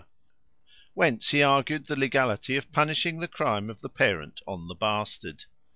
Whence he argued the legality of punishing the crime of the parent on the bastard.